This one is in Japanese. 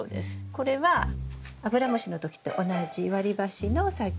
これはアブラムシの時と同じ割り箸の先に。